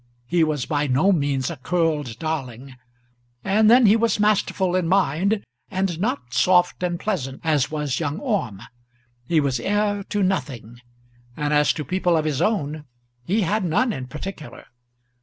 He was by no means a curled darling. And then he was masterful in mind, and not soft and pleasant as was young Orme. He was heir to nothing; and as to people of his own he had none in particular.